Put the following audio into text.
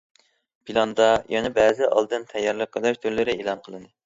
پىلاندا يەنە بەزى ئالدىن تەييارلىق قىلىش تۈرلىرى ئېلان قىلىندى.